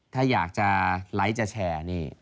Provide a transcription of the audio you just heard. ถ้าอยากจะไลค์จะแชร์นี่